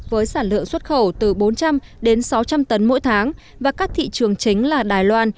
với sản lượng xuất khẩu từ bốn trăm linh đến sáu trăm linh tấn mỗi tháng và các thị trường chính là đài loan